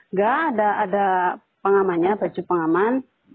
nggak ada pengamannya baju pengaman